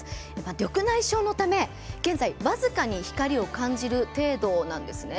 緑内障のため、現在、僅かに光を感じる程度なんですね。